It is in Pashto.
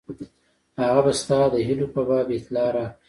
هغه به ستا د هیلو په باب اطلاع راکړي.